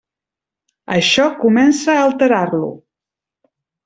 Això comença a alterar-lo.